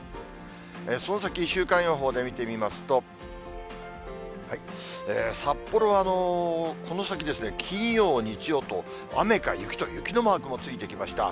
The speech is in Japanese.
その先、週間予報で見てみますと、札幌はこの先ですね、金曜、日曜と、雨か雪と、雪のマークもついてきました。